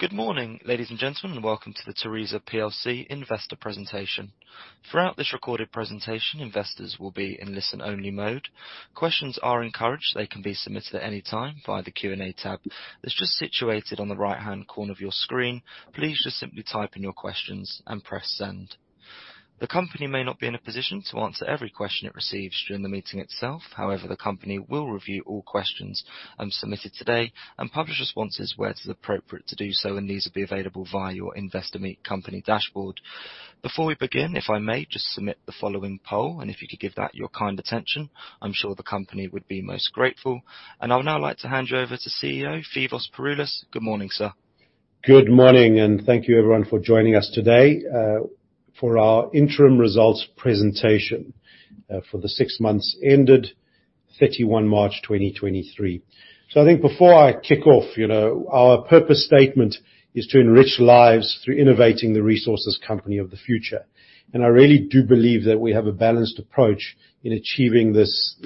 Good morning, ladies and gentlemen, welcome to the Tharisa plc Investor Presentation. Throughout this recorded presentation, investors will be in listen-only mode. Questions are encouraged. They can be submitted at any time via the Q&A tab that's just situated on the right-hand corner of your screen. Please just simply type in your questions and press Send. The company may not be in a position to answer every question it receives during the meeting itself. The company will review all questions submitted today and publish responses where it's appropriate to do so, and these will be available via your Investor Meet Company dashboard. Before we begin, if I may just submit the following poll, if you could give that your kind attention, I'm sure the company would be most grateful. I would now like to hand you over to CEO, Phoevos Pouroulis. Good morning, sir. Good morning, and thank you everyone for joining us today for our interim results presentation for the six months ended 31 March 2023. I think before I kick off, you know, our purpose statement is to enrich lives through innovating the resources company of the future. I really do believe that we have a balanced approach in achieving this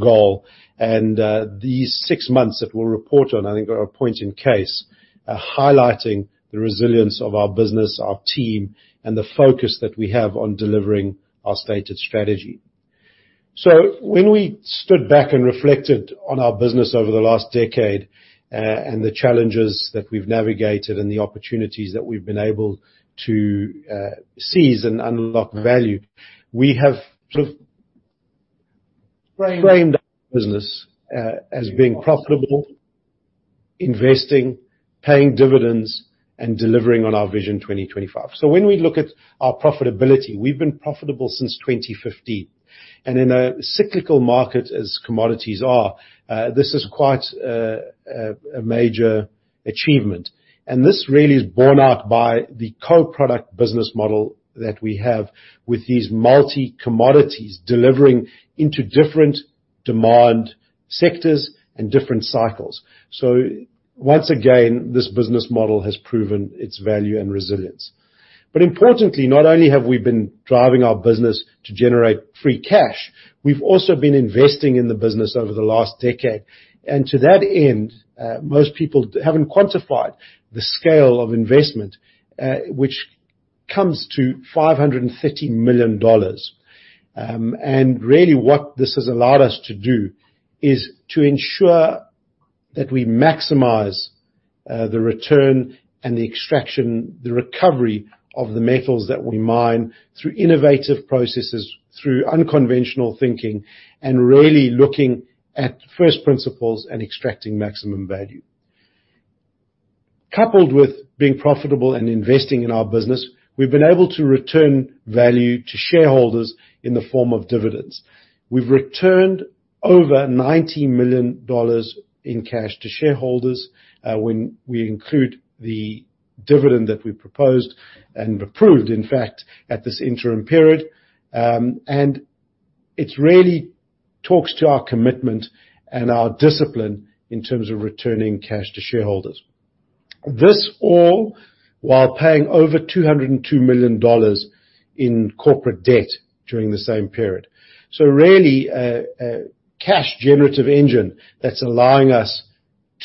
goal. These six months that we'll report on, I think are a point in case, are highlighting the resilience of our business, our team, and the focus that we have on delivering our stated strategy. When we stood back and reflected on our business over the last decade, and the challenges that we've navigated and the opportunities that we've been able to seize and unlock value, we have sort of framed our business as being profitable, investing, paying dividends, and delivering on our Vision 2025. When we look at our profitability, we've been profitable since 2015. In a cyclical market as commodities are, this is quite a major achievement. This really is borne out by the co-product business model that we have with these multi commodities delivering into different demand sectors and different cycles. Once again, this business model has proven its value and resilience. Importantly, not only have we been driving our business to generate free cash, we've also been investing in the business over the last decade. To that end, most people haven't quantified the scale of investment, which comes to $550 million. Really what this has allowed us to do is to ensure that we maximize, the return and the extraction, the recovery of the metals that we mine through innovative processes, through unconventional thinking, and really looking at first principles and extracting maximum value. Coupled with being profitable and investing in our business, we've been able to return value to shareholders in the form of dividends. We've returned over $90 million in cash to shareholders, when we include the dividend that we proposed and approved, in fact, at this interim period. It's really talks to our commitment and our discipline in terms of returning cash to shareholders. This all while paying over $202 million in corporate debt during the same period. Really a cash generative engine that's allowing us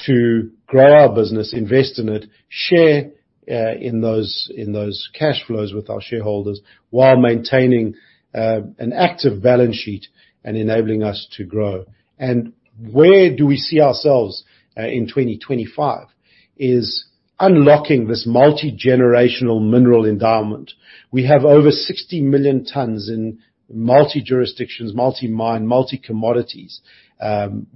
to grow our business, invest in it, share in those cash flows with our shareholders while maintaining an active balance sheet and enabling us to grow. Where do we see ourselves in 2025, is unlocking this multi-generational mineral endowment. We have over 60 million tons in multi jurisdictions, multi mine, multi commodities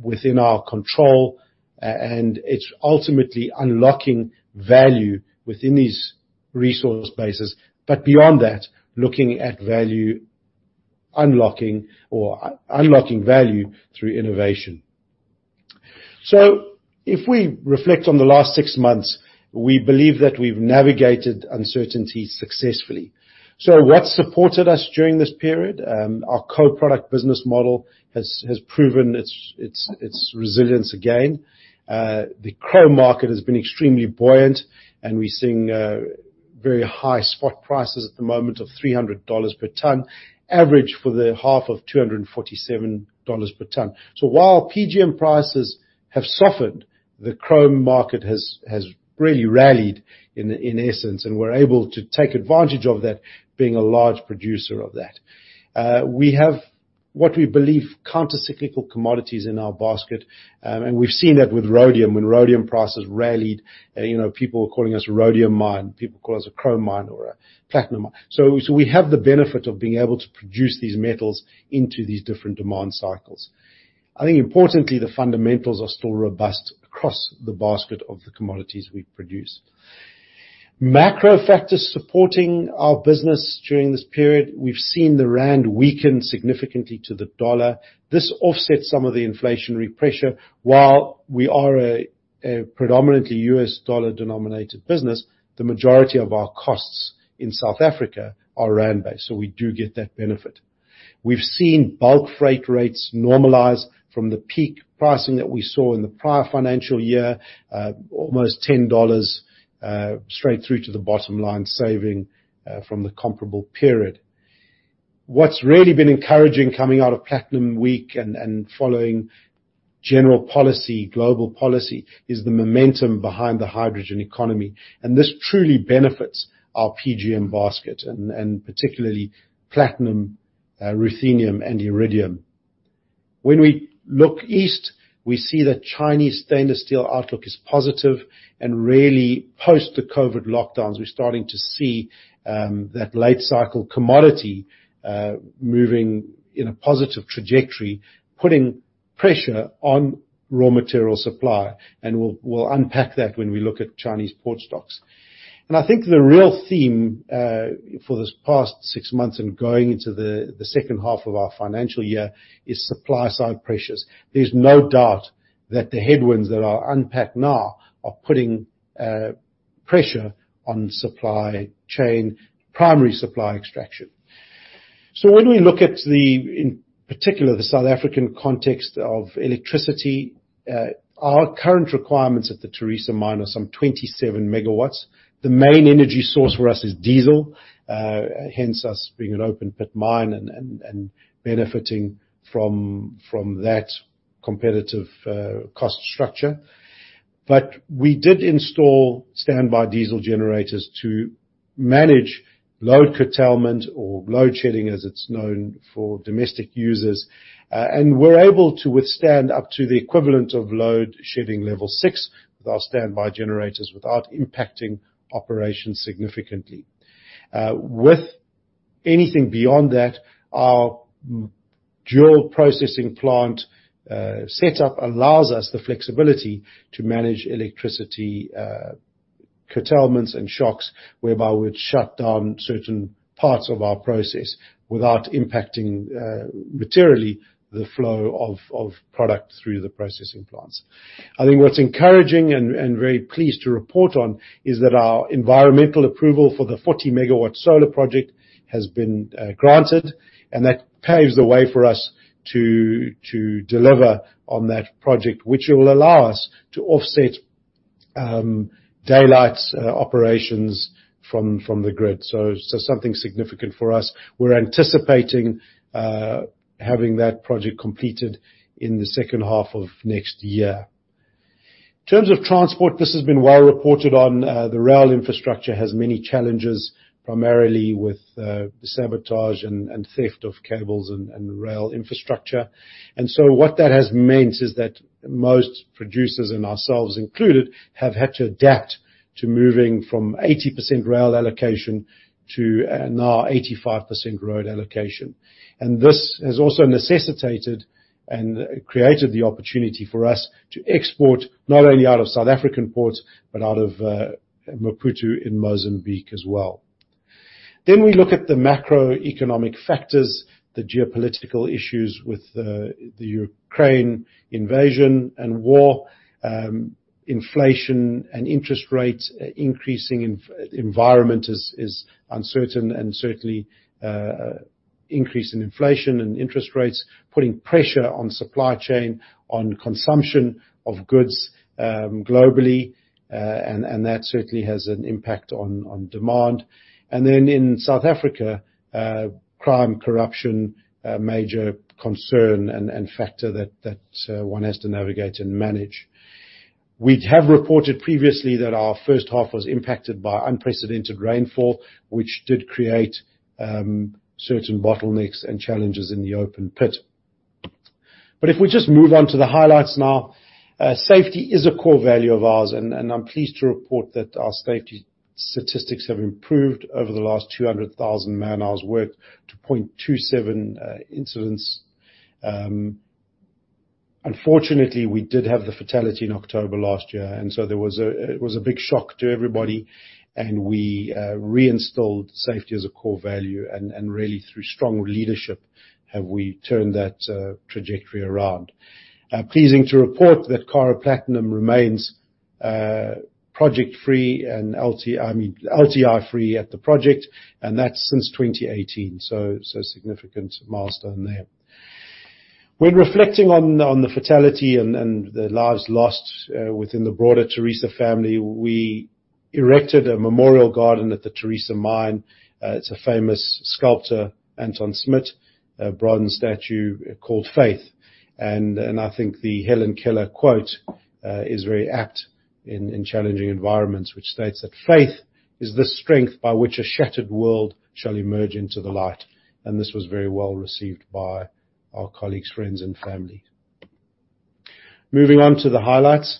within our control. It's ultimately unlocking value within these resource bases. Beyond that, looking at value, unlocking or unlocking value through innovation. If we reflect on the last six months, we believe that we've navigated uncertainty successfully. What supported us during this period? Our co-product business model has proven its resilience again. The chrome market has been extremely buoyant, and we're seeing very high spot prices at the moment of $300 per ton, average for the half of $247 per ton. While PGM prices have softened, the chrome market has really rallied in essence, and we're able to take advantage of that being a large producer of that. We have what we believe, countercyclical commodities in our basket, and we've seen that with rhodium when rhodium prices rallied. You know, people were calling us a rhodium mine. People call us a chrome mine or a platinum mine. We have the benefit of being able to produce these metals into these different demand cycles. Importantly, the fundamentals are still robust across the basket of the commodities we produce. Macro factors supporting our business during this period. We've seen the rand weaken significantly to the dollar. This offsets some of the inflationary pressure. While we are a predominantly U.S. dollar-denominated business, the majority of our costs in South Africa are rand-based, so we do get that benefit. We've seen bulk freight rates normalize from the peak pricing that we saw in the prior financial year, almost $10 straight through to the bottom line saving from the comparable period. What's really been encouraging coming out of Platinum Week and following general policy, global policy is the momentum behind the hydrogen economy, and this truly benefits our PGM basket, and particularly platinum, ruthenium, and iridium. When we look east, we see the Chinese stainless steel outlook is positive and really post the COVID lockdowns, we're starting to see that late cycle commodity moving in a positive trajectory, putting pressure on raw material supply, and we'll unpack that when we look at Chinese port stocks. I think the real theme for this past six months and going into the second half of our financial year is supply side pressures. There's no doubt that the headwinds that are unpacked now are putting pressure on supply chain, primary supply extraction. When we look at the, in particular, the South African context of electricity, our current requirements at the Tharisa Mine are some 27 MW. The main energy source for us is diesel, hence us being an open pit mine and benefiting from that competitive cost structure. We did install standby diesel generators to manage load curtailment or load shedding as it's known for domestic users. We're able to withstand up to the equivalent of load shedding level six with our standby generators without impacting operations significantly. With anything beyond that, our dual processing plant set up allows us the flexibility to manage electricity curtailments and shocks, whereby we'd shut down certain parts of our process without impacting materially the flow of product through the processing plants. I think what's encouraging and very pleased to report on is that our environmental approval for the 40 MW solar project has been granted, and that paves the way for us to deliver on that project, which will allow us to offset daylight operations from the grid. Something significant for us. We're anticipating having that project completed in the second half of next year. In terms of transport, this has been well reported on, the rail infrastructure has many challenges, primarily with sabotage and theft of cables and rail infrastructure. What that has meant is that most producers and ourselves included, have had to adapt to moving from 80% rail allocation to now 85% road allocation. This has also necessitated and created the opportunity for us to export not only out of South African ports, but out of Maputo in Mozambique as well. We look at the macroeconomic factors, the geopolitical issues with the Ukraine invasion and war, inflation and interest rates increasing. In-environment is uncertain and certainly increase in inflation and interest rates, putting pressure on supply chain, on consumption of goods globally. That certainly has an impact on demand. In South Africa, crime, corruption, a major concern and factor that one has to navigate and manage. We have reported previously that our first half was impacted by unprecedented rainfall, which did create certain bottlenecks and challenges in the open pit. If we just move on to the highlights now, safety is a core value of ours, and I'm pleased to report that our safety statistics have improved over the last 200,000 man-hours worked to 0.27 incidents. Unfortunately, we did have the fatality in October last year. It was a big shock to everybody, and we reinstalled safety as a core value, and really through strong leadership have we turned that trajectory around. Pleasing to report that Karo Platinum remains project free and LTI free at the project, and that's since 2018, so a significant milestone there. When reflecting on the fatality and the lives lost within the broader Tharisa family, we erected a memorial garden at the Tharisa Mine. It's a famous sculptor, Anton Smit, a bronze statue called Faith. I think the Helen Keller quote is very apt in challenging environments, which states that, "Faith is the strength by which a shattered world shall emerge into the light." This was very well-received by our colleagues, friends, and family. Moving on to the highlights.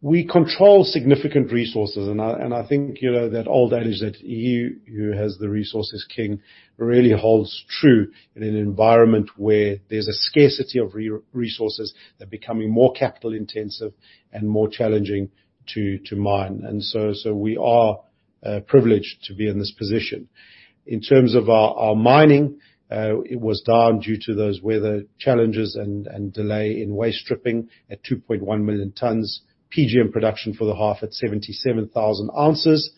We control significant resources, I think you know that old adage that he who has the resources king really holds true in an environment where there's a scarcity of resources that are becoming more capital-intensive and more challenging to mine. We are privileged to be in this position. In terms of our mining, it was down due to those weather challenges and delay in waste stripping at 2.1 million tons. PGM production for the half at 77,000 ounces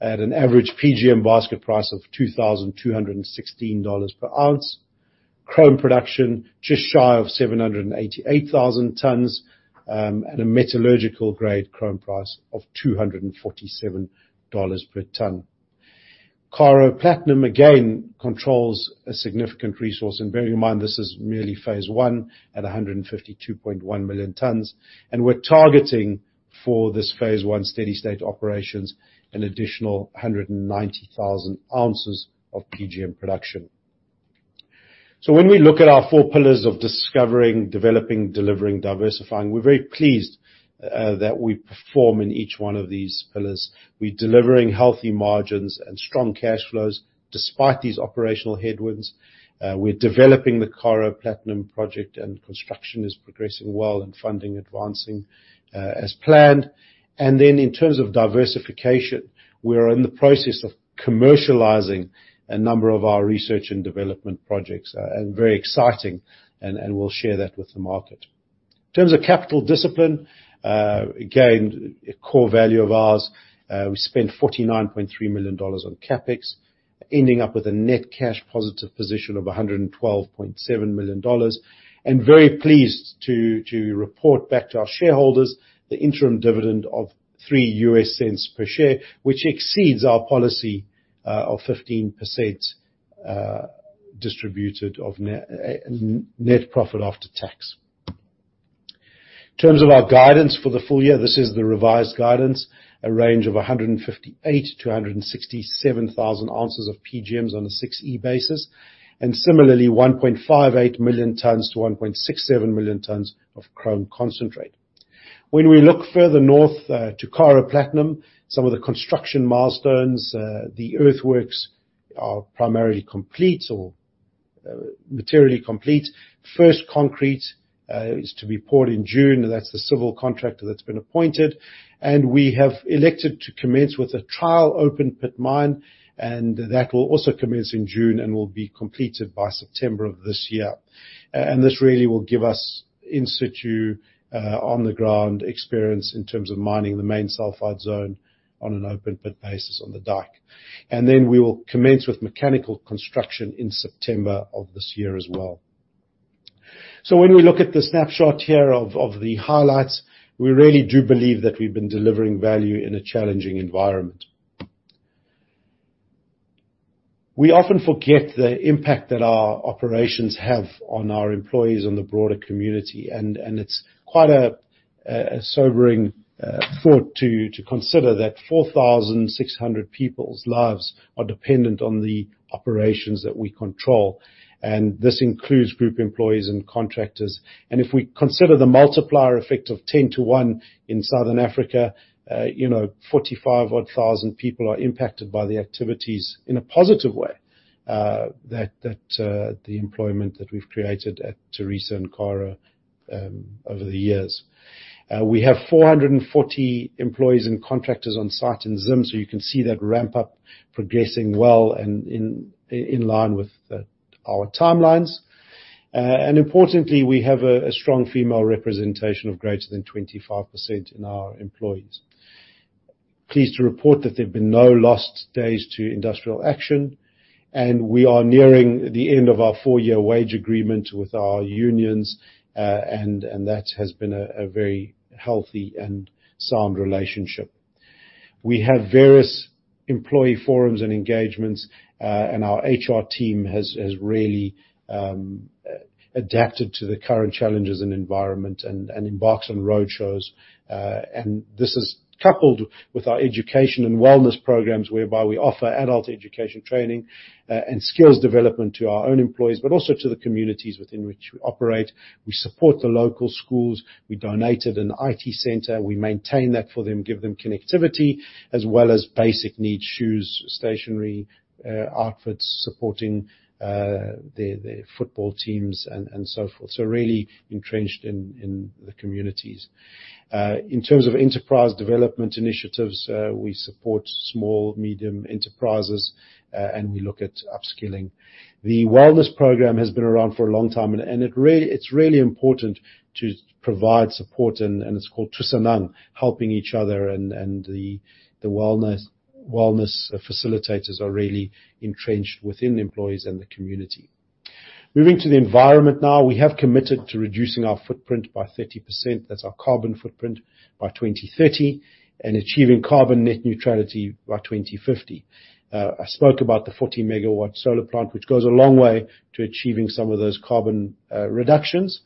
at an average PGM basket price of $2,216 per ounce. Chrome production, just shy of 788,000 tons, at a metallurgical grade chrome price of $247 per ton. Karo Platinum, again, controls a significant resource, and bearing in mind, this is merely phase one at 152.1 million tons. We're targeting for this phase one steady-state operations an additional 190,000 ounces of PGM production. When we look at our four pillars of discovering, developing, delivering, diversifying, we're very pleased that we perform in each one of these pillars. We're delivering healthy margins and strong cash flows despite these operational headwinds. We're developing the Karo Platinum project and construction is progressing well and funding advancing, as planned. In terms of diversification, we are in the process of commercializing a number of our research and development projects, and very exciting, and we'll share that with the market. In terms of capital discipline, again, a core value of ours, we spent $49.3 million on CapEx, ending up with a net cash positive position of $112.7 million. Very pleased to report back to our shareholders the interim dividend of $0.03 per share, which exceeds our policy of 15% distributed of net profit after tax. In terms of our guidance for the full year, this is the revised guidance, a range of 158,000 to 167,000 ounces of PGMs on a 6E basis, and similarly, 1.58 million tons to 1.67 million tons of chrome concentrate. When we look further north to Karo Platinum, some of the construction milestones, the earthworks are primarily complete or materially complete. First concrete is to be poured in June. That's the civil contractor that's been appointed. We have elected to commence with a trial open pit mine, and that will also commence in June and will be completed by September of this year. This really will give us in situ on the ground experience in terms of mining the Main Sulphide Zone on an open pit basis on the Dyke. We will commence with mechanical construction in September of this year as well. When we look at the snapshot here of the highlights, we really do believe that we've been delivering value in a challenging environment. We often forget the impact that our operations have on our employees and the broader community, and it's quite a sobering thought to consider that 4,600 people's lives are dependent on the operations that we control. This includes group employees and contractors. If we consider the multiplier effect of 10 to one in Southern Africa, you know, 45 odd 1,000 people are impacted by the activities in a positive way that the employment that we've created at Tharisa and Karo over the years. We have 440 employees and contractors on site in Zimbabwe. You can see that ramp up progressing well and in line with our timelines. Importantly, we have a strong female representation of greater than 25% in our employees. Pleased to report that there have been no lost days to industrial action. We are nearing the end of our four-year wage agreement with our unions, and that has been a very healthy and sound relationship. We have various employee forums and engagements, and our HR team has really adapted to the current challenges and environment and embarks on roadshows. This is coupled with our education and wellness programs whereby we offer adult education training and skills development to our own employees, but also to the communities within which we operate. We support the local schools. We donated an IT center. We maintain that for them, give them connectivity as well as basic needs, shoes, stationery, outfits, supporting their football teams and so forth. Really entrenched in the communities. In terms of enterprise development initiatives, we support small, medium enterprises and we look at upskilling. The wellness program has been around for a long time and it's really important to provide support and it's called Tushenang, helping each other and the wellness facilitators are really entrenched within the employees and the community. Moving to the environment now, we have committed to reducing our footprint by 30%, that's our carbon footprint, by 2030, and achieving carbon net neutrality by 2050. I spoke about the 40 MW solar plant, which goes a long way to achieving some of those carbon reductions.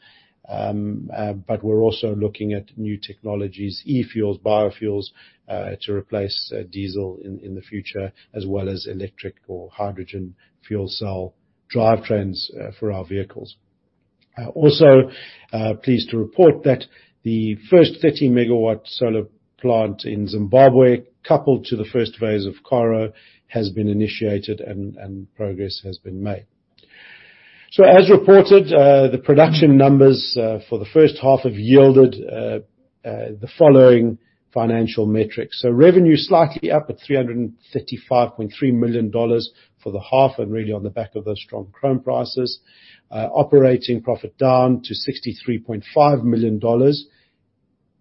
But we're also looking at new technologies, e-fuels, biofuels, to replace diesel in the future, as well as electric or hydrogen fuel cell drivetrains for our vehicles. Also, pleased to report that the first 30 MW solar plant in Zimbabwe, coupled to the first phase of Karo, has been initiated and progress has been made. As reported, the production numbers for the first half have yielded the following financial metrics. Revenue slightly up at $335.3 million for the half really on the back of those strong chrome prices. Operating profit down to $63.5 million.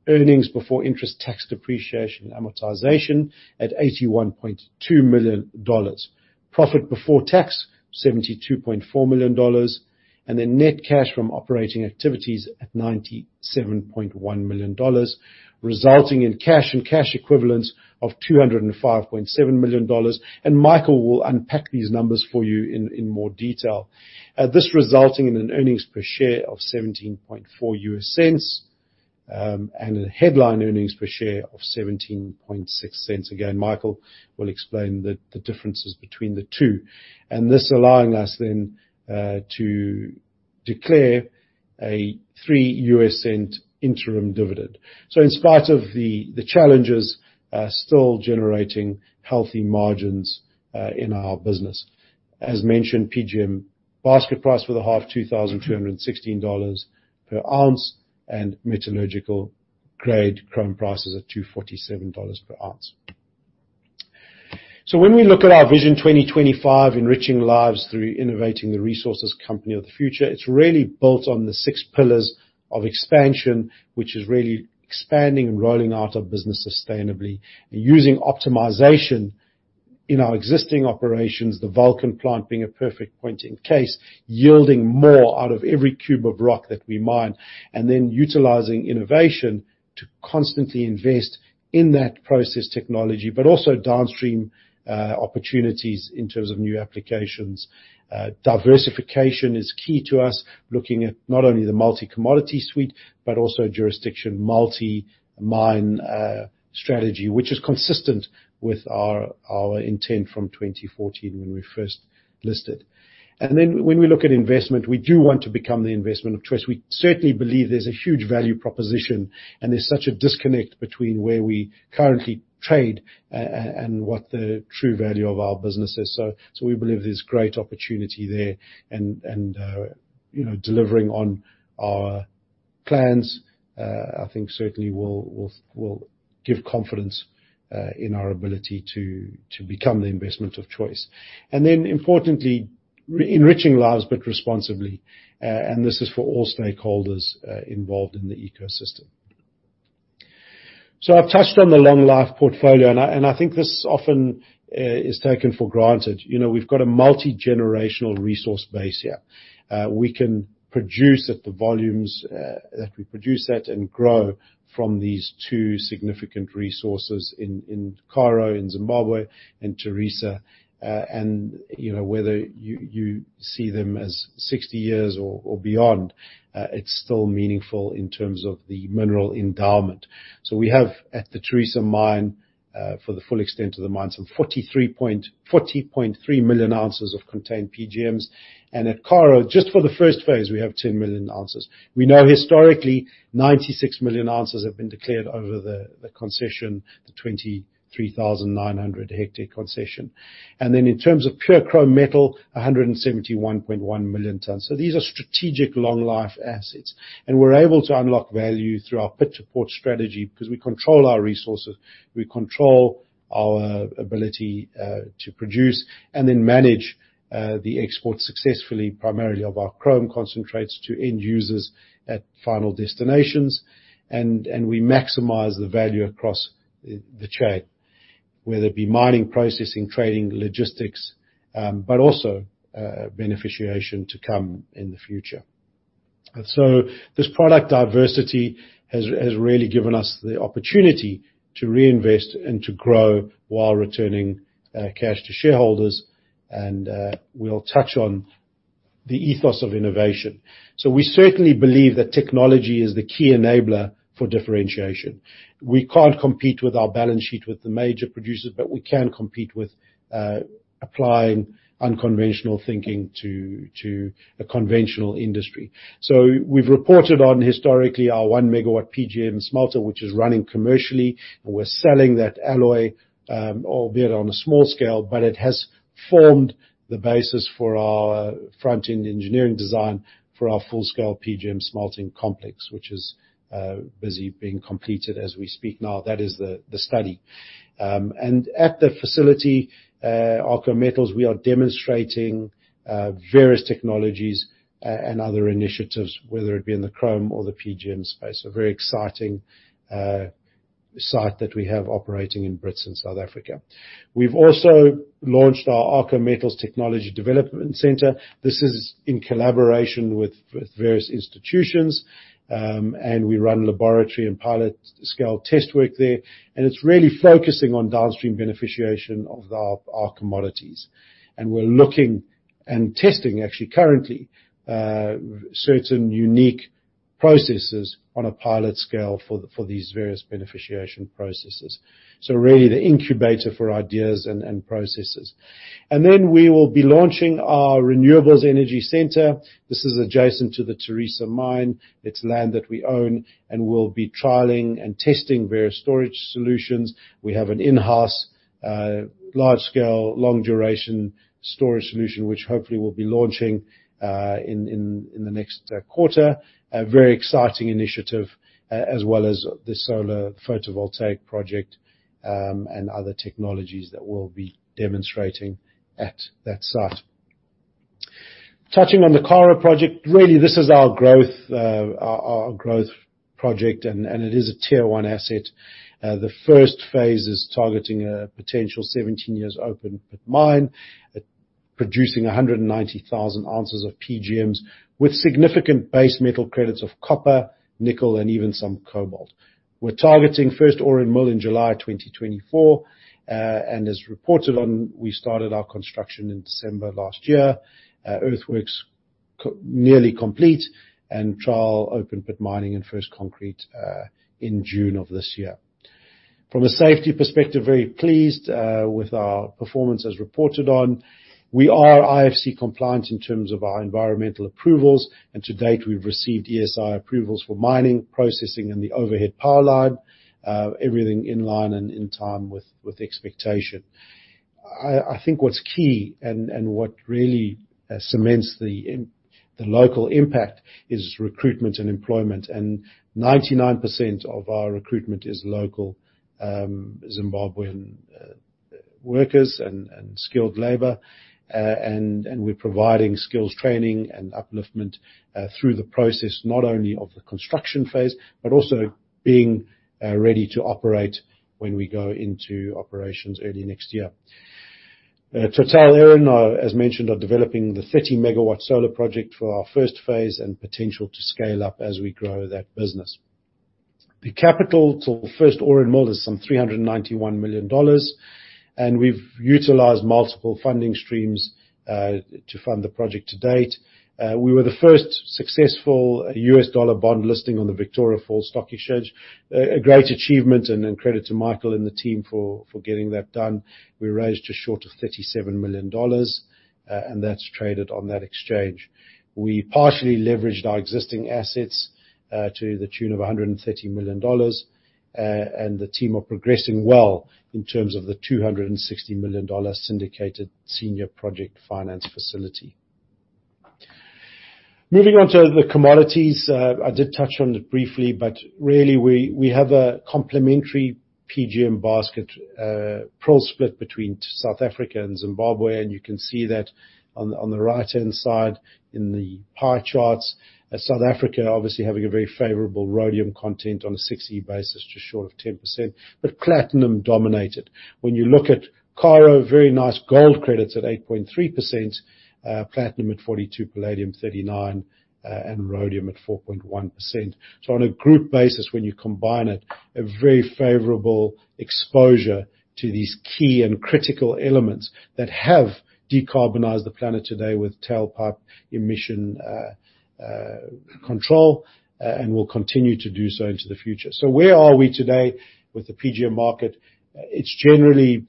EBITDA at $81.2 million. Profit before tax, $72.4 million. Net cash from operating activities at $97.1 million, resulting in cash and cash equivalents of $205.7 million. Michael will unpack these numbers for you in more detail. This resulting in an earnings per share of $0.174, and a headline earnings per share of $0.176. Again, Michael will explain the differences between the two. This allowing us then to declare a $0.03 interim dividend. In spite of the challenges, still generating healthy margins, in our business. As mentioned, PGM basket price for the half, $2,216 per ounce, and metallurgical grade chrome prices at $247 per ounce. When we look at our Vision 2025: Enriching Lives through Innovating the Resources Company of the Future, it's really built on the six pillars of expansion, which is really expanding and rolling out our business sustainably. Using optimization in our existing operations, the Vulcan plant being a perfect point in case, yielding more out of every cube of rock that we mine, and then utilizing innovation to constantly invest in that process technology, but also downstream, opportunities in terms of new applications. Diversification is key to us, looking at not only the multi-commodity suite, but also jurisdiction multi-mine strategy, which is consistent with our intent from 2014 when we first listed. When we look at investment, we do want to become the investment of choice. We certainly believe there's a huge value proposition, and there's such a disconnect between where we currently trade and what the true value of our business is. We believe there's great opportunity there and, you know, delivering on our plans, I think certainly will give confidence in our ability to become the investment of choice. Importantly, re-enriching lives, but responsibly, and this is for all stakeholders involved in the ecosystem. I've touched on the long-life portfolio, I think this often is taken for granted. You know, we've got a multi-generational resource base here. We can produce at the volumes that we produce at and grow from these two significant resources in Karo, in Zimbabwe and Tharisa. You know, whether you see them as 60 years or beyond, it's still meaningful in terms of the mineral endowment. We have at the Tharisa Mine for the full extent of the mine, some 40.3 million ounces of contained PGMs. At Karo, just for the first phase, we have 10 million ounces. We know historically, 96 million ounces have been declared over the concession, the 23,900 hectare concession. In terms of pure chrome metal, 171.1 million tons. These are strategic long-life assets, and we're able to unlock value through our pit-to-port strategy because we control our resources, we control our ability to produce and then manage the export successfully, primarily of our chrome concentrates to end users at final destinations. We maximize the value across the chain, whether it be mining, processing, trading, logistics, but also beneficiation to come in the future. This product diversity has really given us the opportunity to reinvest and to grow while returning cash to shareholders. We'll touch on the ethos of innovation. We certainly believe that technology is the key enabler for differentiation. We can't compete with our balance sheet with the major producers, but we can compete with applying unconventional thinking to a conventional industry. We've reported on historically our 1 MW PGM smelter, which is running commercially. We're selling that alloy, albeit on a small scale, but it has formed the basis for our front-end engineering design for our full-scale PGM smelting complex, which is busy being completed as we speak now. That is the study. At the facility, Arxo Metals, we are demonstrating various technologies and other initiatives, whether it be in the chrome or the PGM space. A very exciting site that we have operating in Brits in South Africa. We've also launched our Arxo Metals Technology Development Centre. This is in collaboration with various institutions. We run laboratory and pilot scale test work there, and it's really focusing on downstream beneficiation of our commodities. We're looking and testing actually currently certain unique processes on a pilot scale for these various beneficiation processes. Really the incubator for ideas and processes. Then we will be launching our renewables energy center. This is adjacent to the Tharisa Mine. It's land that we own, and we'll be trialing and testing various storage solutions. We have an in-house large scale, long duration storage solution, which hopefully we'll be launching in the next quarter. A very exciting initiative as well as the solar photovoltaic project and other technologies that we'll be demonstrating at that site. Touching on the Karo project, really, this is our growth project, and it is a tier one asset. The first phase is targeting a potential 17 years open pit mine, producing 190,000 ounces of PGMs with significant base metal credits of copper, nickel, and even some cobalt. We're targeting first ore mill in July 2024. As reported on, we started our construction in December last year. Earthworks nearly complete, and trial open pit mining and first concrete in June of this year. From a safety perspective, very pleased with our performance as reported on. We are IFC compliant in terms of our environmental approvals. To date, we've received ESI approvals for mining, processing, and the overhead power line. Everything in line and in time with expectation. I think what's key and what really cements the local impact is recruitment and employment. 99% of our recruitment is local, Zimbabwean workers and skilled labor. We're providing skills training and upliftment through the process, not only of the construction phase, but also being ready to operate when we go into operations early next year. TotalEnergies, as mentioned, are developing the 30 MW solar project for our first phase and potential to scale up as we grow that business. The capital to first ore mill is some $391 million, and we've utilized multiple funding streams to fund the project to date. We were the first successful U.S. dollar bond listing on the Victoria Falls Stock Exchange. A great achievement and a credit to Michael and the team for getting that done. We raised a short of $37 million, and that's traded on that exchange. We partially leveraged our existing assets to the tune of $130 million. The team are progressing well in terms of the $260 million syndicated senior project finance facility. Moving on to the commodities. I did touch on it briefly, but really we have a complementary PGM basket pro split between South Africa and Zimbabwe. You can see that on the right-hand side in the pie charts. South Africa obviously having a very favorable rhodium content on a 6E basis, just short of 10%, but platinum dominated. When you look at Karo, very nice gold credits at 8.3%, platinum at 42, palladium 39, and rhodium at 4.1%. On a group basis, when you combine it, a very favorable exposure to these key and critical elements that have decarbonized the planet today with tailpipe emission control, and will continue to do so into the future. Where are we today with the PGM market? It's generally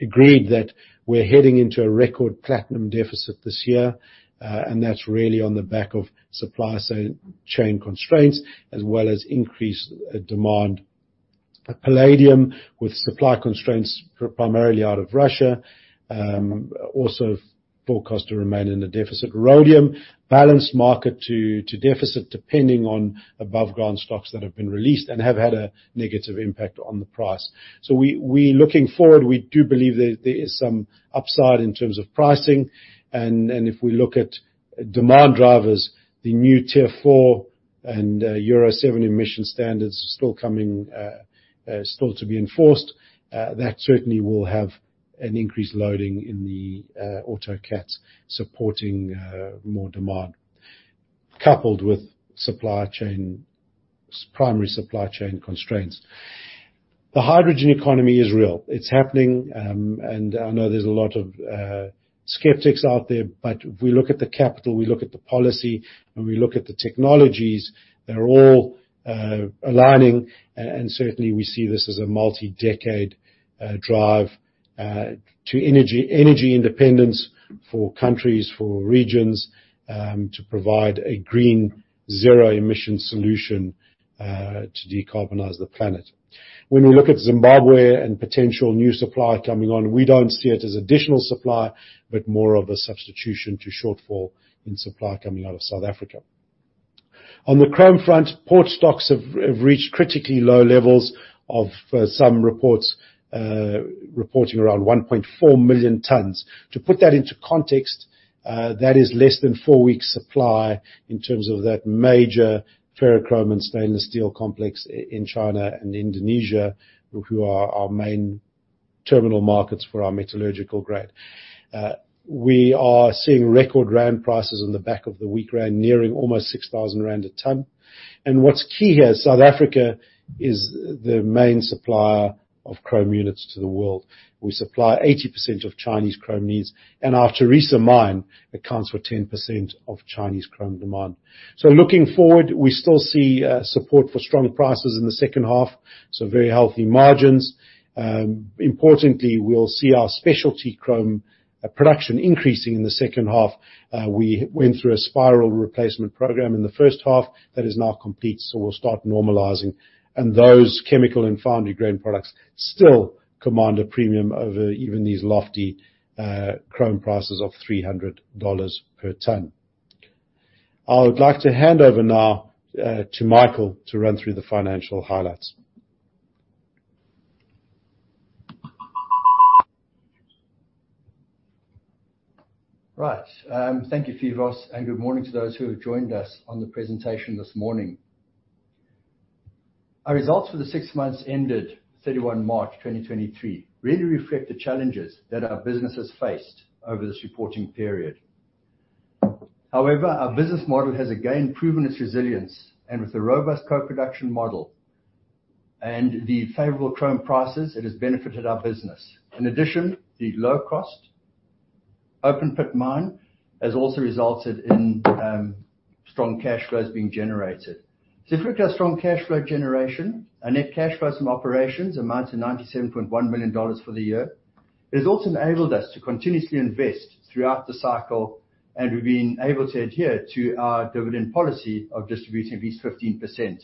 agreed that we're heading into a record platinum deficit this year, and that's really on the back of supply side chain constraints as well as increased demand. Palladium with supply constraints primarily out of Russia, also forecast to remain in a deficit. Rhodium, balanced market to deficit, depending on above-ground stocks that have been released and have had a negative impact on the price. We looking forward, we do believe there is some upside in terms of pricing. If we look at demand drivers, the new Tier 4 and Euro 7 emission standards are still coming, still to be enforced. That certainly will have an increased loading in the auto cats supporting more demand, coupled with supply chain, primary supply chain constraints. The hydrogen economy is real. It's happening, I know there's a lot of skeptics out there, if we look at the capital, we look at the policy, and we look at the technologies, they're all aligning. Certainly, we see this as a multi-decade drive to energy independence for countries, for regions, to provide a green zero emission solution to decarbonize the planet. When we look at Zimbabwe and potential new supply coming on, we don't see it as additional supply, but more of a substitution to shortfall in supply coming out of South Africa. On the chrome front, port stocks have reached critically low levels of some reports reporting around 1.4 million tons. To put that into context, that is less than four weeks supply in terms of that major ferrochrome and stainless steel complex in China and Indonesia, who are our main terminal markets for our metallurgical grade. We are seeing record rand prices on the back of the weak rand, nearing almost 6,000 rand a ton. What's key here, South Africa is the main supplier of chrome units to the world. We supply 80% of Chinese chrome needs, and our Tharisa Mine accounts for 10% of Chinese chrome demand. Looking forward, we still see support for strong prices in the second half, so very healthy margins. Importantly, we'll see our specialty chrome production increasing in the second half. We went through a spiral replacement program in the first half that is now complete, so we'll start normalizing. Those chemical and foundry grade products still command a premium over even these lofty chrome prices of $300 per ton. I would like to hand over now to Michael to run through the financial highlights. Thank you, Phoevos, good morning to those who have joined us on the presentation this morning. Our results for the six months ended 31 March 2023 really reflect the challenges that our business has faced over this reporting period. However, our business model has again proven its resilience, with the robust co-production model and the favorable chrome prices, it has benefited our business. In addition, the low cost open pit mine has also resulted in strong cash flows being generated. If you look at our strong cash flow generation, our net cash flows from operations amount to $97.1 million for the year. It has also enabled us to continuously invest throughout the cycle, we've been able to adhere to our dividend policy of distributing at least 15%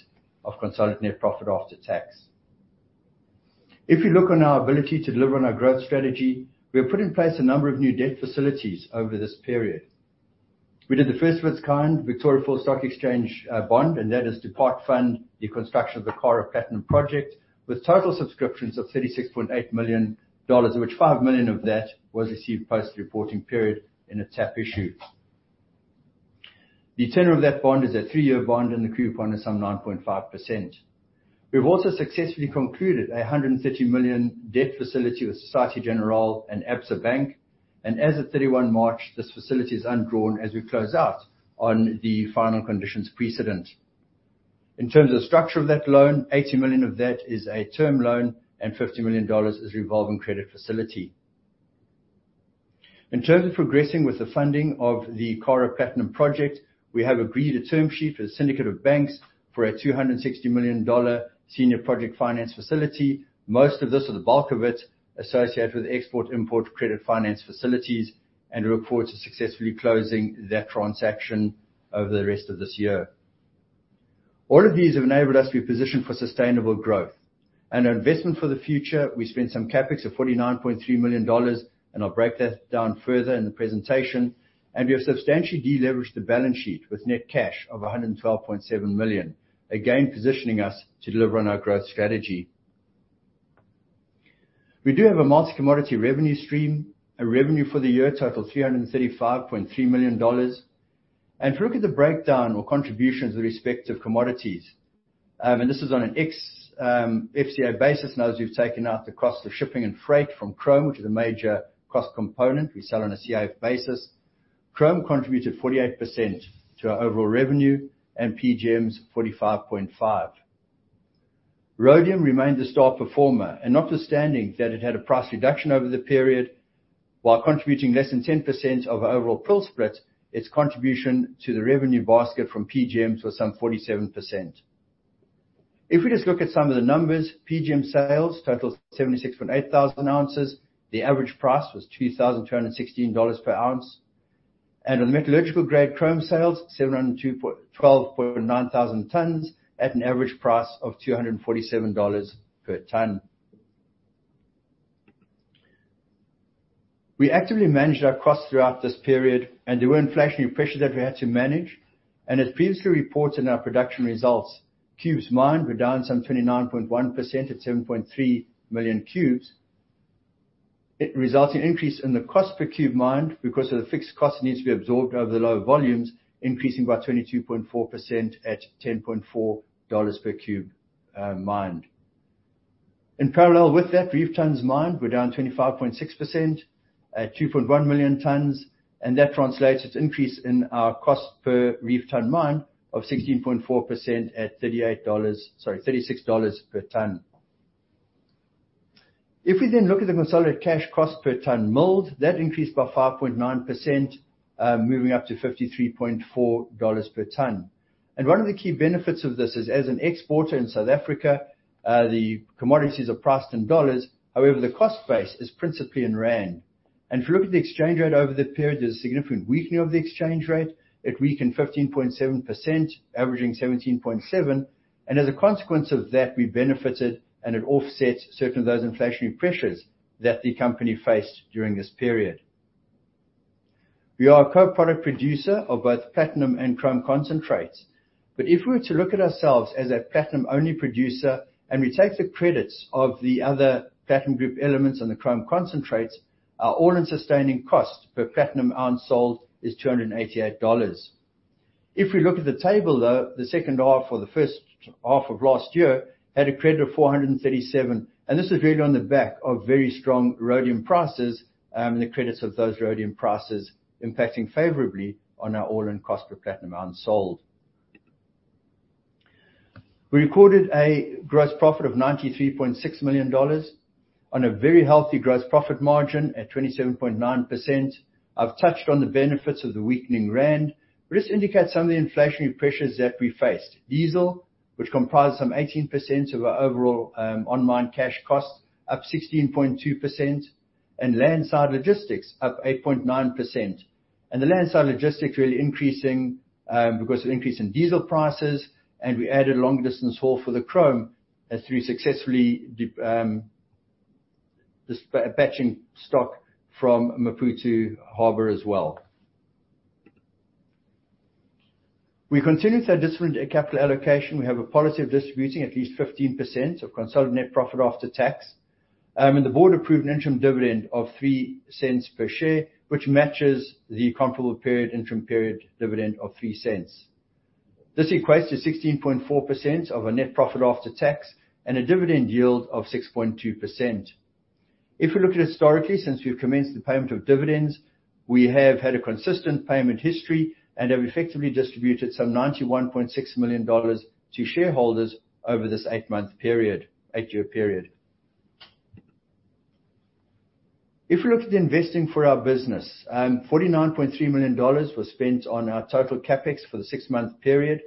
of consolidated profit after tax. If you look on our ability to deliver on our growth strategy, we have put in place a number of new debt facilities over this period. We did the first of its kind, Victoria Falls Stock Exchange bond, and that is to part-fund the construction of the Karo Platinum project with total subscriptions of $36.8 million, of which $5 million of that was received post-reporting period in a tap issue. The tenure of that bond is a three-year bond, and the coupon is some 9.5%. We've also successfully concluded a $130 million debt facility with Société Générale and Absa Bank. As of 31 March, this facility is undrawn as we close out on the final conditions precedent. In terms of the structure of that loan, $80 million of that is a term loan and $50 million is revolving credit facility. In terms of progressing with the funding of the Karo Platinum project, we have agreed a term sheet with Syndicate of Banks for a $260 million senior project finance facility. Most of this, or the bulk of it, associated with export-import credit finance facilities, and we look forward to successfully closing that transaction over the rest of this year. All of these have enabled us to be positioned for sustainable growth. Our investment for the future, we spent some CapEx of $49.3 million, and I'll break that down further in the presentation. We have substantially de-leveraged the balance sheet with net cash of $112.7 million, again, positioning us to deliver on our growth strategy. We do have a multi-commodity revenue stream. Our revenue for the year totals $335.3 million. If you look at the breakdown or contributions with respect to commodities, and this is on an ex-FCA basis, now that we've taken out the cost of shipping and freight from chrome, which is a major cost component, we sell on a CIF basis. Chrome contributed 48% to our overall revenue and PGMs, 45.5%. Rhodium remained the star performer and notwithstanding that it had a price reduction over the period while contributing less than 10% of our overall prill split, its contribution to the revenue basket from PGMs was some 47%. If we just look at some of the numbers, PGM sales totals 76.8000 ounces. The average price was $2,216 per ounce. On metallurgical grade chrome sales, 712.9000 tons at an average price of $247 per ton. We actively managed our costs throughout this period, there were inflationary pressure that we had to manage. As previously reported in our production results, cubes mined were down some 29.1% at 7.3 million cubes. It results in increase in the cost per cube mined because of the fixed cost that needs to be absorbed over the lower volumes, increasing by 22.4% at $10.4 per cube mined. In parallel with that, reef tonnes mined were down 25.6% at 2.1 million tonnes, that translates its increase in our cost per reef tonne mined of 16.4% at $36 per tonne. If we look at the consolidated cash cost per tonne milled, that increased by 5.9%, moving up to $53.4 per tonne. One of the key benefits of this is, as an exporter in South Africa, the commodities are priced in USD. However, the cost base is principally in ZAR. If you look at the exchange rate over the period, there's a significant weakening of the exchange rate. It weakened 15.7%, averaging 17.7. As a consequence of that, we benefited and it offsets certain of those inflationary pressures that the company faced during this period. We are a co-product producer of both platinum and chrome concentrates. If we were to look at ourselves as a platinum-only producer, and we take the credits of the other platinum group elements and the chrome concentrates, our all-in sustaining cost per platinum ounce sold is $288. If we look at the table, though, the second half or the first half of last year had a credit of $437, and this is really on the back of very strong rhodium prices, and the credits of those rhodium prices impacting favorably on our all-in cost per platinum ounce sold. We recorded a gross profit of $93.6 million on a very healthy gross profit margin at 27.9%. I've touched on the benefits of the weakening rand. This indicates some of the inflationary pressures that we faced. Diesel, which comprised some 18% of our overall online cash costs, up 16.2%, and landside logistics up 8.9%. The landside logistics really increasing because of increase in diesel prices, and we added long-distance haul for the chrome as we successfully dispatching stock from Maputo harbor as well. We continue to have disciplined capital allocation. We have a policy of distributing at least 15% of consolidated net profit after tax. The board approved an interim dividend of $0.03 per share, which matches the comparable period, interim period dividend of $0.03. This equates to 16.4% of our net profit after tax and a dividend yield of 6.2%. If we look at historically, since we've commenced the payment of dividends, we have had a consistent payment history and have effectively distributed some $91.6 million to shareholders over this eight-year period. If we look at the investing for our business, $49.3 million was spent on our total CapEx for the six-month period.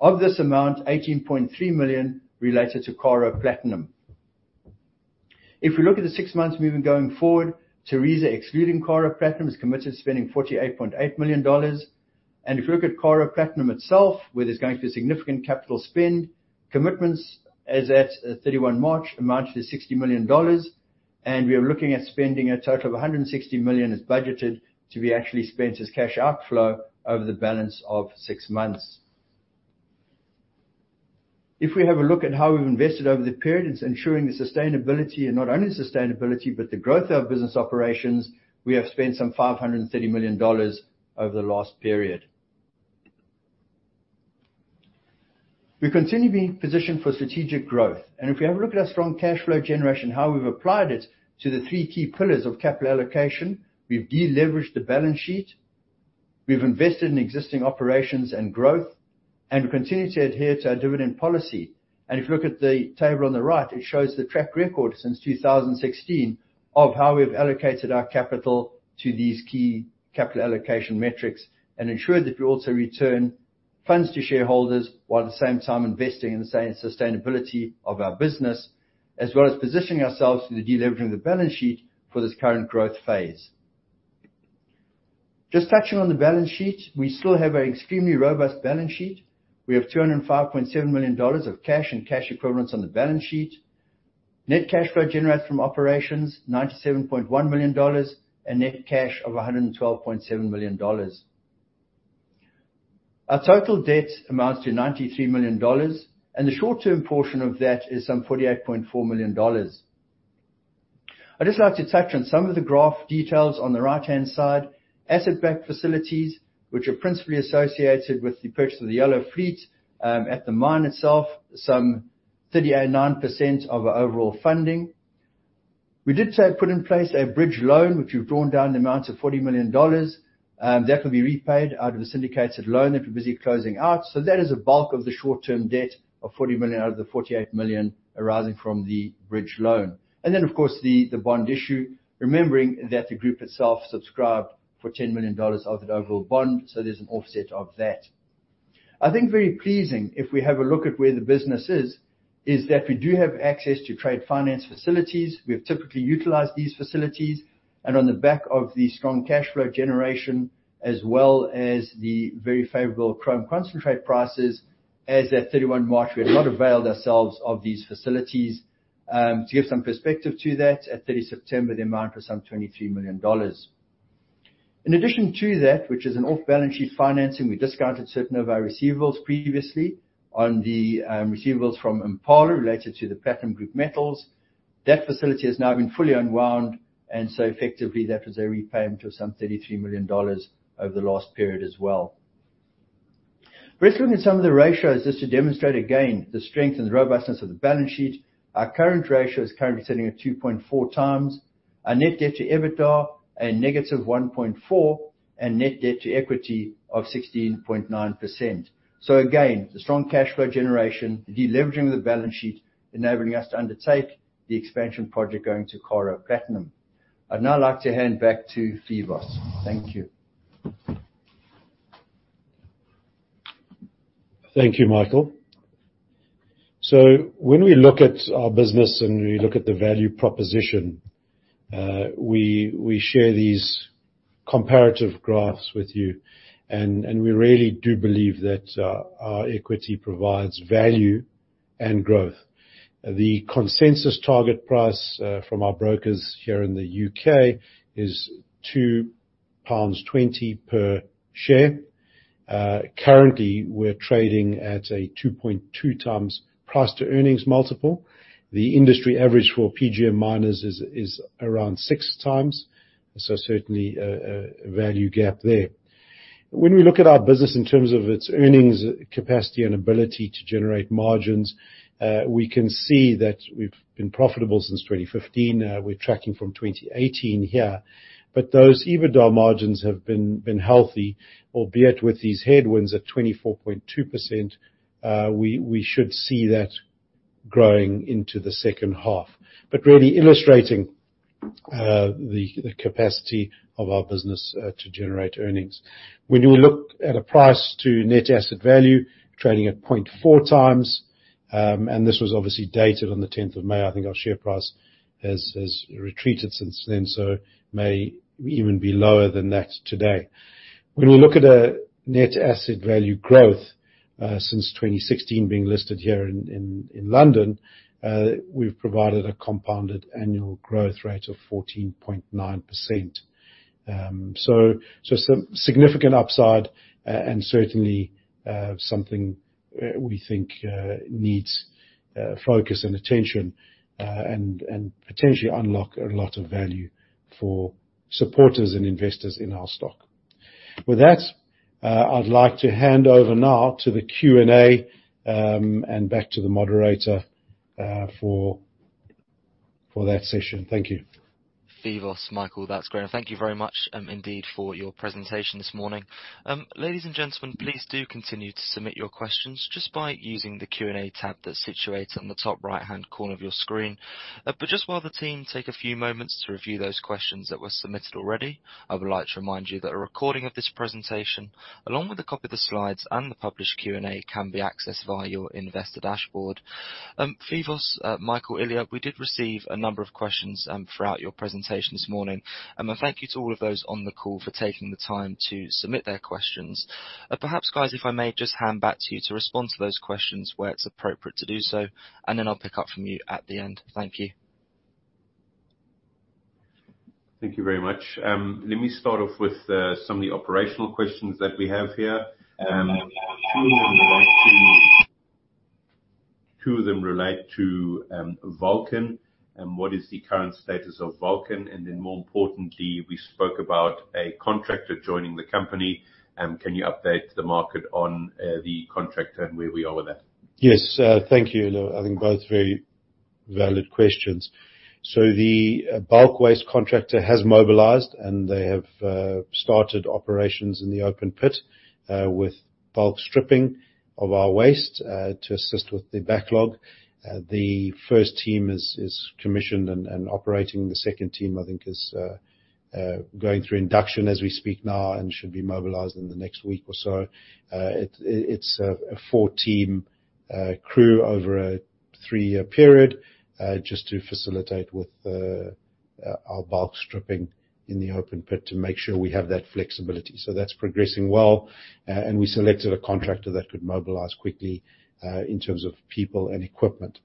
Of this amount, $18.3 million related to Karo Platinum. If we look at the six months moving going forward, Tharisa, excluding Karo Platinum, is committed to spending $48.8 million. If you look at Karo Platinum itself, where there's going to be significant capital spend, commitments as at 31 March amount to $60 million, and we are looking at spending a total of $160 million is budgeted to be actually spent as cash outflow over the balance of six months. If we have a look at how we've invested over the period, it's ensuring the sustainability and not only sustainability but the growth of business operations. We have spent some $530 million over the last period. We continue being positioned for strategic growth. If we have a look at our strong cash flow generation, how we've applied it to the three key pillars of capital allocation, we've de-leveraged the balance sheet, we've invested in existing operations and growth and continue to adhere to our dividend policy. If you look at the table on the right, it shows the track record since 2016 of how we've allocated our capital to these key capital allocation metrics and ensured that we also return funds to shareholders while at the same time investing in the same sustainability of our business, as well as positioning ourselves to the deleveraging the balance sheet for this current growth phase. Just touching on the balance sheet, we still have an extremely robust balance sheet. We have $205.7 million of cash and cash equivalents on the balance sheet. Net cash flow generated from operations, $97.1 million, and net cash of $112.7 million. Our total debt amounts to $93 million, and the short-term portion of that is some $48.4 million. I'd just like to touch on some of the graph details on the right-hand side. Asset-backed facilities, which are principally associated with the purchase of the yellow fleet, at the mine itself, some 38.9% of our overall funding. We did say put in place a bridge loan, which we've drawn down the amount to $40 million. That will be repaid out of the syndicated loan that we're busy closing out. That is a bulk of the short-term debt of $40 million out of the $48 million arising from the bridge loan. Then, of course, the bond issue, remembering that the group itself subscribed for $10 million of the overall bond, so there's an offset of that. I think very pleasing if we have a look at where the business is that we do have access to trade finance facilities. We have typically utilized these facilities. On the back of the strong cash flow generation, as well as the very favorable chrome concentrate prices, as at 31 March, we have not availed ourselves of these facilities. To give some perspective to that, at 30 September, the amount was some $23 million. In addition to that, which is an off-balance sheet financing, we discounted certain of our receivables previously on the receivables from Impala related to the platinum group metals. That facility has now been fully unwound, effectively that was a repayment of some $33 million over the last period as well. Looking at some of the ratios just to demonstrate again the strength and robustness of the balance sheet. Our current ratio is currently sitting at 2.4 times. Our net debt to EBITDA, a negative 1.4 and net debt to equity of 16.9%. Again, the strong cash flow generation, the deleveraging of the balance sheet, enabling us to undertake the expansion project going to Karo Platinum. I'd now like to hand back to Phoevos. Thank you. Thank you, Michael. When we look at our business and we look at the value proposition, we share these comparative graphs with you, and we really do believe that our equity provides value and growth. The consensus target price from our brokers here in the U.K. is 2.20 pounds per share. Currently, we're trading at a 2.2 times price to earnings multiple. The industry average for PGM miners is around six times, so certainly a value gap there. When we look at our business in terms of its earnings capacity and ability to generate margins, we can see that we've been profitable since 2015. We're tracking from 2018 here. Those EBITDA margins have been healthy, albeit with these headwinds at 24.2%, we should see that growing into the second half. Really illustrating the capacity of our business to generate earnings. When you look at a price to net asset value trading at 0.4 times, and this was obviously dated on the 10th of May, I think our share price has retreated since then, so may even be lower than that today. When we look at net asset value growth since 2016 being listed here in London, we've provided a compounded annual growth rate of 14.9%. Some significant upside and certainly something we think needs focus and attention and potentially unlock a lot of value for supporters and investors in our stock. With that, I'd like to hand over now to the Q&A and back to the moderator for that session. Thank you. Phoevos, Michael, that's great. Thank you very much, indeed for your presentation this morning. Ladies and gentlemen, please do continue to submit your questions just by using the Q&A tab that's situated on the top right-hand corner of your screen. Just while the team take a few moments to review those questions that were submitted already, I would like to remind you that a recording of this presentation, along with a copy of the slides and the published Q&A, can be accessed via your investor dashboard. Phoevos, Michael, Ilya, we did receive a number of questions, throughout your presentation this morning. Thank you to all of those on the call for taking the time to submit their questions. Perhaps, guys, if I may just hand back to you to respond to those questions where it's appropriate to do so, and then I'll pick up from you at the end. Thank you. Thank you very much. Let me start off with some of the operational questions that we have here. Two of them relate to Vulcan, what is the current status of Vulcan? More importantly, we spoke about a contractor joining the company. Can you update the market on the contractor and where we are with that? Yes. Thank you. I think both very valid questions. The bulk waste contractor has mobilized, and they have started operations in the open pit with bulk stripping of our waste to assist with the backlog. The first team is commissioned and operating. The second team, I think is going through induction as we speak now and should be mobilized in the next week or so. It's a four-team crew over a three-year period just to facilitate with the our bulk stripping in the open pit to make sure we have that flexibility. That's progressing well. We selected a contractor that could mobilize quickly in terms of people and equipment.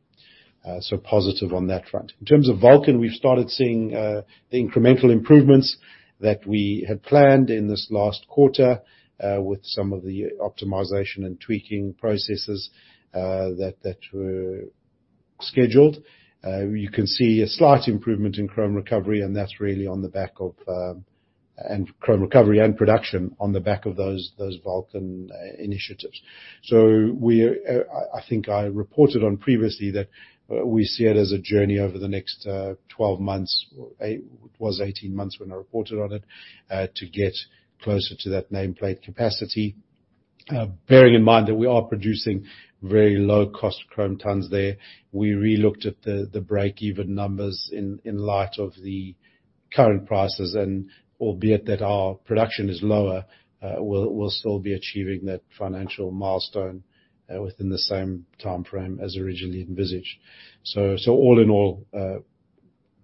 Positive on that front. In terms of Vulcan, we've started seeing the incremental improvements that we had planned in this last quarter, with some of the optimization and tweaking processes that were scheduled. You can see a slight improvement in chrome recovery, and that's really on the back of chrome recovery and production on the back of those Vulcan initiatives. We, I think I reported on previously that we see it as a journey over the next 12 months. It was 18 months when I reported on it to get closer to that nameplate capacity. Bearing in mind that we are producing very low-cost chrome tons there. We relooked at the break-even numbers in light of the current prices and albeit that our production is lower, we'll still be achieving that financial milestone within the same timeframe as originally envisaged. All in all,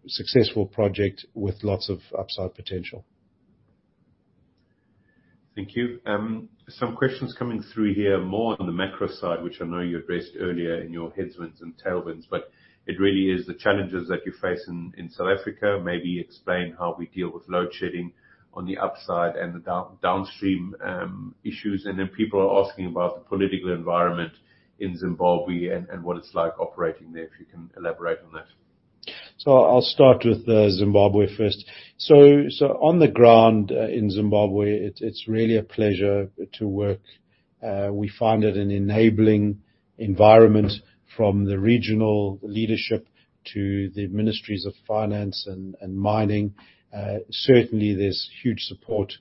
successful project with lots of upside potential. Thank you. Some questions coming through here, more on the macro side, which I know you addressed earlier in your headwinds and tailwinds, but it really is the challenges that you face in South Africa. Maybe explain how we deal with load shedding on the upside and the downstream issues. And then people are asking about the political environment in Zimbabwe and what it's like operating there, if you can elaborate on that. I'll start with Zimbabwe first. On the ground in Zimbabwe, it's really a pleasure to work. We find it an enabling environment from the regional leadership to the Ministries of Finance and Mining. Certainly there's huge support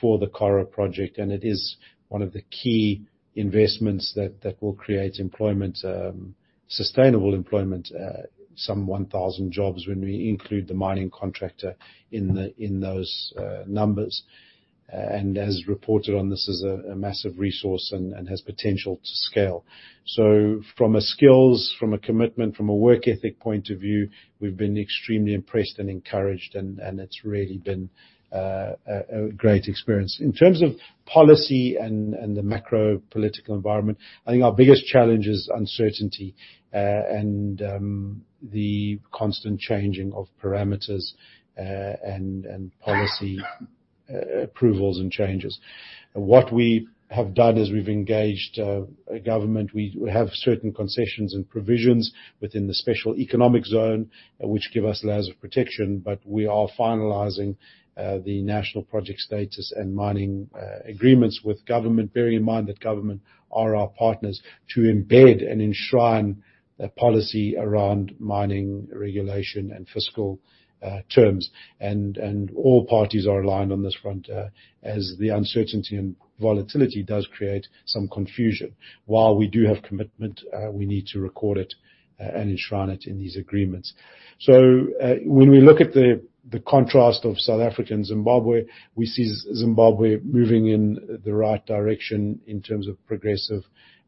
for the Karo project, and it is one of the key investments that will create employment, sustainable employment, some 1,000 jobs when we include the mining contractor in those numbers. As reported on this, is a massive resource and has potential to scale. From a skills, from a commitment, from a work ethic point of view, we've been extremely impressed and encouraged and it's really been a great experience. In terms of policy and the macropolitical environment, I think our biggest challenge is uncertainty, and the constant changing of parameters, and policy approvals and changes. What we have done is we've engaged a government. We have certain concessions and provisions within the Special Economic Zone which give us layers of protection, but we are finalizing the National Project Status and mining agreements with government, bearing in mind that government are our partners to embed and enshrine a policy around mining regulation and fiscal terms. All parties are aligned on this front, as the uncertainty and volatility does create some confusion. While we do have commitment, we need to record it and enshrine it in these agreements. When we look at the contrast of South Africa and Zimbabwe, we see Zimbabwe moving in the right direction in terms of progressive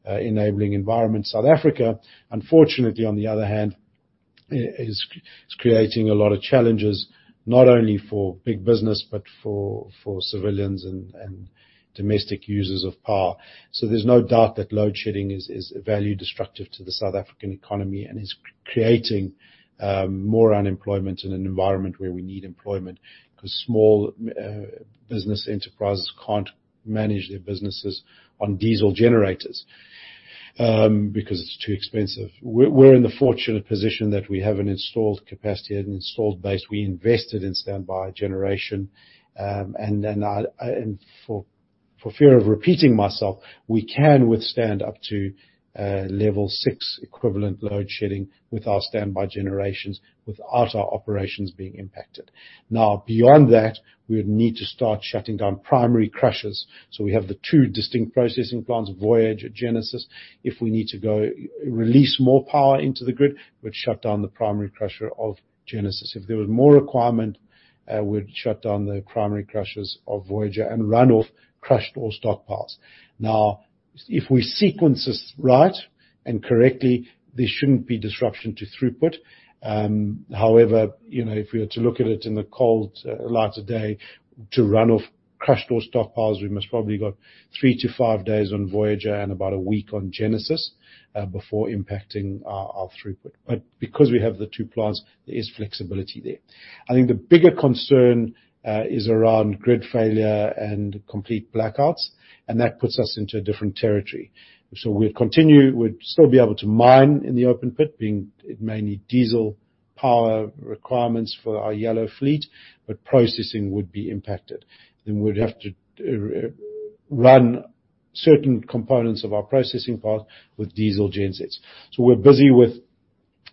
enabling environment. South Africa, unfortunately, on the other hand, is creating a lot of challenges, not only for big business, but for civilians and domestic users of power. There's no doubt that load-shedding is value destructive to the South African economy, and is creating more unemployment in an environment where we need employment, 'cause small business enterprises can't manage their businesses on diesel generators because it's too expensive. We're in the fortunate position that we have an installed capacity and an installed base. We invested in standby generation, and for fear of repeating myself, we can withstand up to level six equivalent load-shedding with our standby generations without our operations being impacted. Now, beyond that, we would need to start shutting down primary crushers. We have the two distinct processing plants, Voyager, Genesis. If we need to go release more power into the grid, we'd shut down the primary crusher of Genesis. If there was more requirement, we'd shut down the primary crushers of Voyager and run off crushed ore stockpiles. Now, if we sequence this right and correctly, there shouldn't be disruption to throughput. However, you know, if we were to look at it in the cold light of day, to run off crushed ore stockpiles, we must probably got three to five days on Voyager and about a week on Genesis before impacting our throughput. Because we have the two plants, there is flexibility there. I think the bigger concern is around grid failure and complete blackouts, and that puts us into a different territory. We'd still be able to mine in the open pit, being it may need diesel power requirements for our yellow fleet, but processing would be impacted. We'd have to run certain components of our processing plant with diesel gensets. We're busy with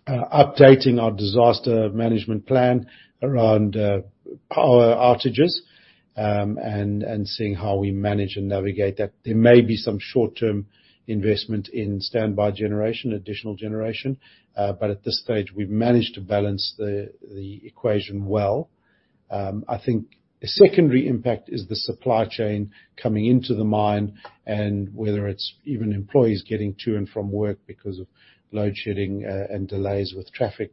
updating our disaster management plan around power outages, and seeing how we manage and navigate that. There may be some short-term investment in standby generation, additional generation. At this stage, we've managed to balance the equation well. I think a secondary impact is the supply chain coming into the mine and whether it's even employees getting to and from work because of load-shedding and delays with traffic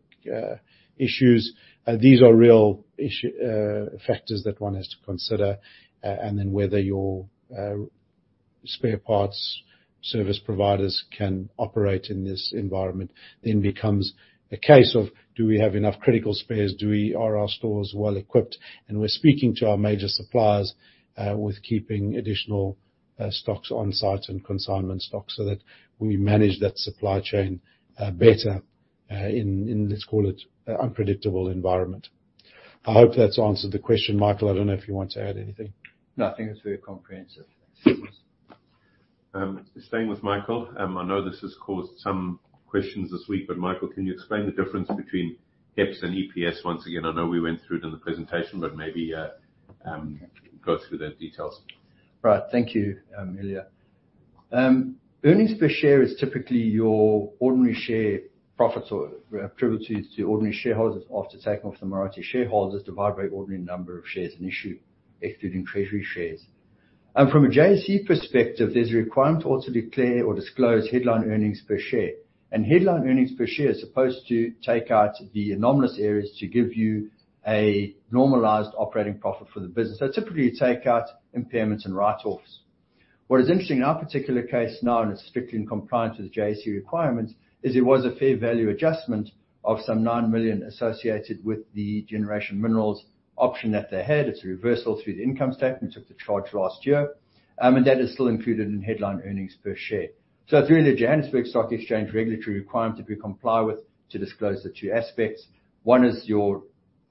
issues. These are real factors that one has to consider, and then whether your spare parts service providers can operate in this environment then becomes a case of do we have enough critical spares? Are our stores well-equipped? We're speaking to our major suppliers with keeping additional stocks on site and consignment stocks so that we manage that supply chain better in let's call it unpredictable environment. I hope that's answered the question. Michael, I don't know if you want to add anything. No, I think it's very comprehensive. Staying with Michael, I know this has caused some questions this week. Michael, can you explain the difference between EPS and EPS once again? I know we went through it in the presentation. Maybe go through the details. Right. Thank you, Ilya. Earnings per share is typically your ordinary share profits or privileges to ordinary shareholders after taking off the minority shareholders divide by ordinary number of shares and issue, excluding treasury shares. From a JSE perspective, there's a requirement to also declare or disclose headline earnings per share. Headline earnings per share is supposed to take out the anomalous areas to give you a normalized operating profit for the business. Typically, you take out impairments and write-offs. Interesting in our particular case now, and it's strictly in compliance with the JSE requirements, is it was a fair value adjustment of some $9 million associated with the Generation Minerals option that they had. It's a reversal through the income statement. We took the charge last year, and that is still included in headline earnings per share. It's really the Johannesburg Stock Exchange regulatory requirement that we comply with to disclose the two aspects. One is your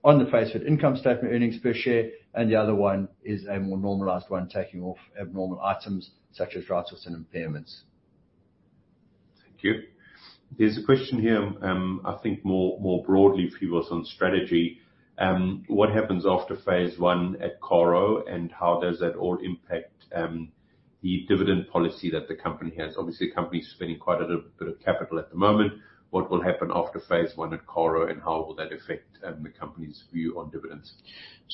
on the face of it income statement, earnings per share, and the other one is a more normalized one, taking off abnormal items such as write-offs and impairments. Thank you. There's a question here, I think more broadly for you, Phoevos, on strategy. What happens after phase one at Karo, and how does that all impact the dividend policy that the company has? Obviously, the company is spending quite a bit of capital at the moment. What will happen after phase one at Karo, and how will that affect the company's view on dividends?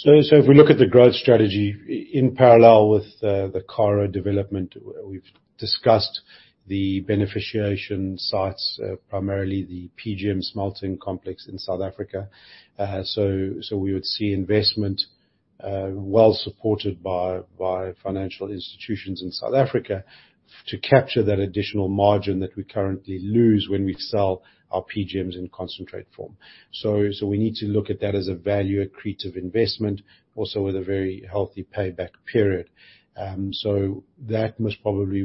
If we look at the growth strategy in parallel with the Karo development, we've discussed the beneficiation sites, primarily the PGM smelting complex in South Africa. We would see investment well-supported by financial institutions in South Africa to capture that additional margin that we currently lose when we sell our PGMs in concentrate form. We need to look at that as a value accretive investment, also with a very healthy payback period. That most probably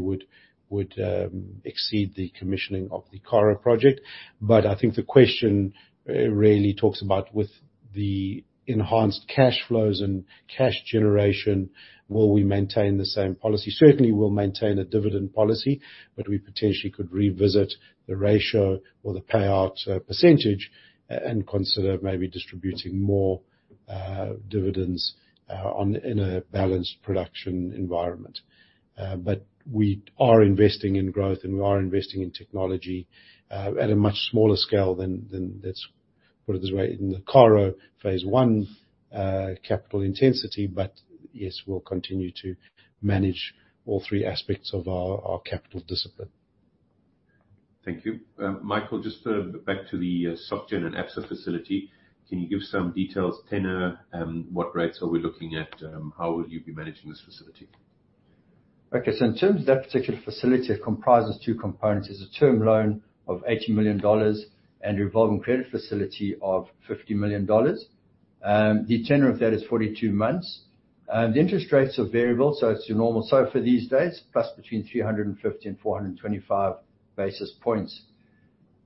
would exceed the commissioning of the Karo project. I think the question really talks about with the enhanced cash flows and cash generation, will we maintain the same policy? Certainly, we'll maintain a dividend policy. We potentially could revisit the ratio or the payout percentage and consider maybe distributing more dividends in a balanced production environment. We are investing in growth, and we are investing in technology at a much smaller scale than Put it this way, in the Karo Phase 1 capital intensity. Yes, we'll continue to manage all three aspects of our capital discipline. Thank you. Michael, just back to the Société Générale and Absa facility. Can you give some details, tenure, what rates are we looking at? How will you be managing this facility? In terms of that particular facility, it comprises two components. There's a term loan of $80 million and revolving credit facility of $50 million. The tenure of that is 42 months. The interest rates are variable, it's your normal SOFR these days, plus between 350 and 425 basis points.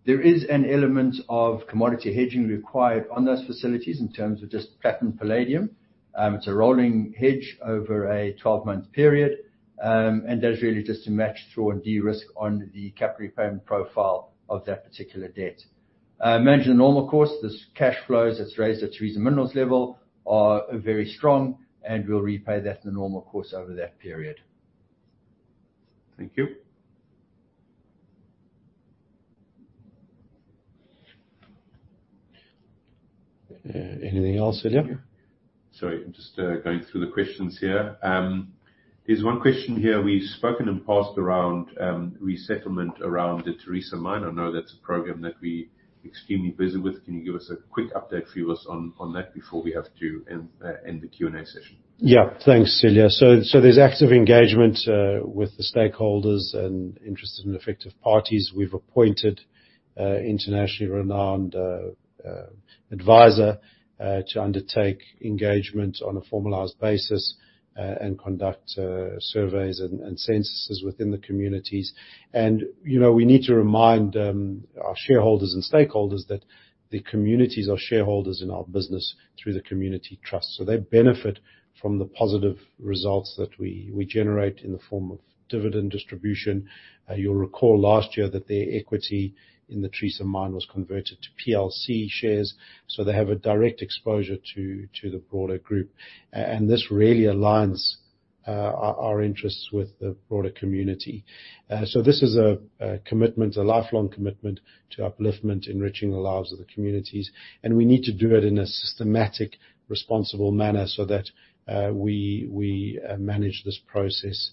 There is an element of commodity hedging required on those facilities in terms of just platinum palladium. It's a rolling hedge over a 12-month period. That's really just to match through and de-risk on the capital repayment profile of that particular debt. Manage in the normal course. The cash flows it's raised at Tharisa Minerals level are very strong, and we'll repay that in the normal course over that period. Thank you. Anything else, Ilya? Sorry, I'm just going through the questions here. There's one question here. We've spoken in the past around resettlement around the Tharisa Mine. I know that's a program that we extremely busy with. Can you give us a quick update, Phoevos, on that before we have to end the Q&A session? Yeah. Thanks, Ilya. There's active engagement with the stakeholders and interested and effective parties. We've appointed internationally renowned advisor to undertake engagement on a formalized basis and conduct surveys and censuses within the communities. You know, we need to remind our shareholders and stakeholders that the communities are shareholders in our business through the community trust, so they benefit from the positive results that we generate in the form of dividend distribution. You'll recall last year that their equity in the Tharisa Mine was converted to PLC shares, so they have a direct exposure to the broader group. This really aligns our interests with the broader community. This is a commitment, a lifelong commitment to upliftment, enriching the lives of the communities, and we need to do it in a systematic, responsible manner so that we manage this process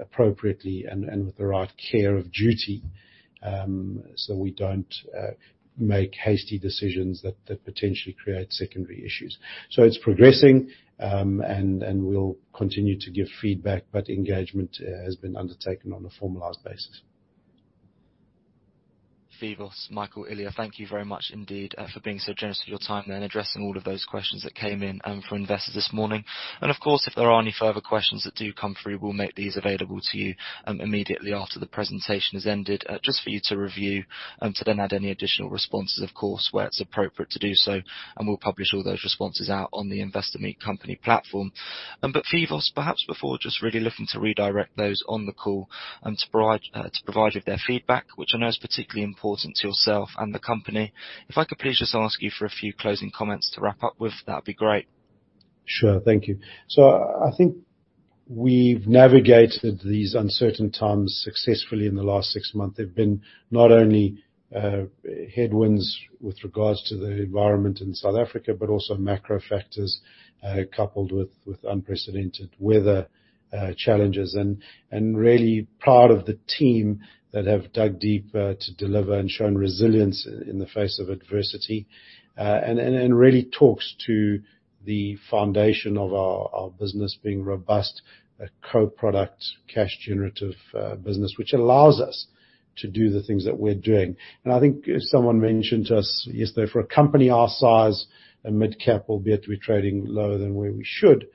appropriately and with the right care of duty, so we don't make hasty decisions that potentially create secondary issues. It's progressing, and we'll continue to give feedback, but engagement has been undertaken on a formalized basis. Phoevos, Michael, Ilya, thank you very much indeed for being so generous with your time and addressing all of those questions that came in from investors this morning. If there are any further questions that do come through, we'll make these available to you immediately after the presentation has ended just for you to review to then add any additional responses of course, where it's appropriate to do so, and we'll publish all those responses out on the Investor Meet Company platform. Phoevos, perhaps before just really looking to redirect those on the call and to provide with their feedback, which I know is particularly important to yourself and the company, if I could please just ask you for a few closing comments to wrap up with, that'd be great. Sure. Thank you. I think we've navigated these uncertain times successfully in the last six months. They've been not only headwinds with regards to the environment in South Africa, but also macro factors coupled with unprecedented weather challenges. Really proud of the team that have dug deep to deliver and shown resilience in the face of adversity. And it really talks to the foundation of our business being robust, a co-product cash generative business, which allows us to do the things that we're doing. I think someone mentioned to us yesterday, for a company our size, a midcap, albeit we're trading lower than where we should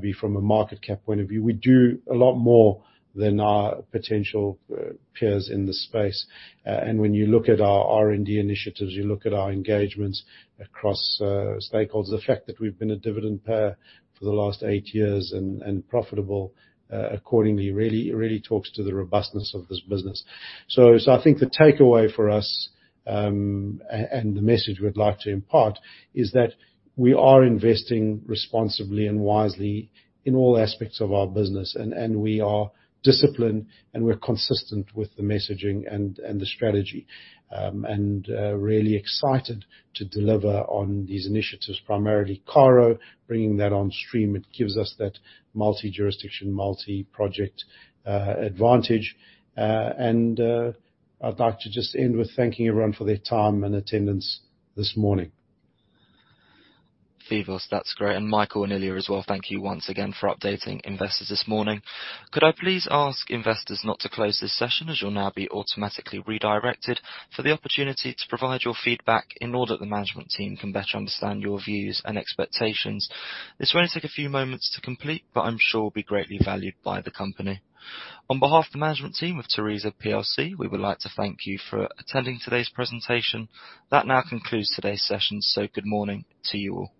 be from a market cap point of view, we do a lot more than our potential peers in this space. When you look at our R&D initiatives, you look at our engagements across stakeholders, the fact that we've been a dividend payer for the last eight years and profitable accordingly, really talks to the robustness of this business. I think the takeaway for us, and the message we'd like to impart is that we are investing responsibly and wisely in all aspects of our business, and we are disciplined, and we're consistent with the messaging and the strategy. Really excited to deliver on these initiatives, primarily Karo, bringing that on stream. It gives us that multi-jurisdiction, multi-project advantage. I'd like to just end with thanking everyone for their time and attendance this morning. Phoevos, that's great. Michael and Ilya as well, thank you once again for updating investors this morning. Could I please ask investors not to close this session, as you'll now be automatically redirected, for the opportunity to provide your feedback in order that the management team can better understand your views and expectations. This will only take a few moments to complete, but I'm sure will be greatly valued by the company. On behalf of the management team of Tharisa plc, we would like to thank you for attending today's presentation. That now concludes today's session, so good morning to you all.